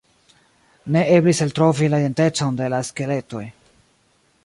Ne eblis eltrovi la identecon de la skeletoj.